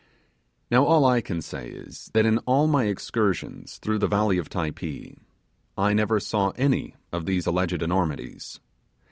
Now, all I can say is, that in all my excursions through the valley of Typee, I never saw any of these alleged enormities.